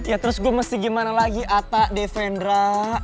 ya terus gue mesti gimana lagi ata defendra